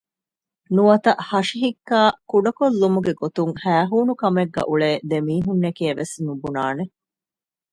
ނުވަތަ ހަށި ހިއްކައި ކުޑަކޮށްލުމުގެ ގޮތުން ހައިހޫނުކަމެއްގައި އުޅޭ ދެމީހުންނެކޭ ވެސް ނުބުނާނެ